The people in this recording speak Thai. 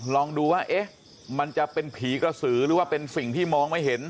ลองดูว่าเอ๊ะมันจะเป็นผีกระสือหรือว่าเป็นสิ่งที่มองไม่เห็น